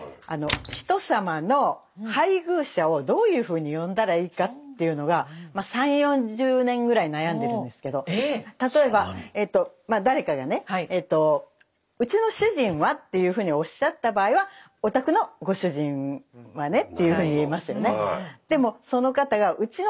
人様の配偶者をどういうふうに呼んだらいいかっていうのが例えば誰かがねうちの主人はっていうふうにおっしゃった場合はお宅のご主人はねっていうふうに言えますよね。